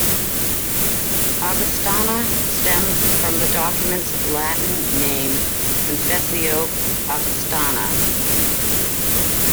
"Augustana" stems from the document's Latin name, "Confessio Augustana".